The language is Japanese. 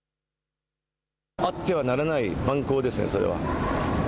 あってはならない蛮行ですねそれは。